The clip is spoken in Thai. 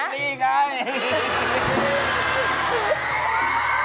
นี่ไง